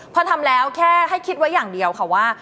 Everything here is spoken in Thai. พอทำแล้วแค่ให้คิดไว้อย่างเดียวค่ะว่า